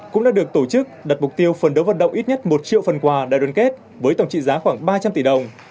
cũng đã được tổ chức đặt mục tiêu phần đấu vận động ít nhất một triệu phần quà đại đoàn kết với tổng trị giá khoảng ba trăm linh tỷ đồng